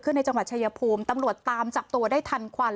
ต้องการ์ดเฉยภูมิตำรวจตามจับตัวได้ทันควัน